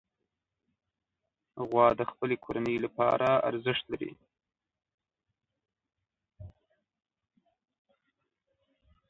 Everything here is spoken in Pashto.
غوا د خپلې کورنۍ لپاره ارزښت لري.